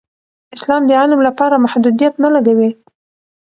اسلام د علم لپاره محدودیت نه لګوي.